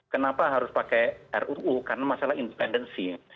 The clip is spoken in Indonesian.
kenapa harus pakai ruu karena masalah independensi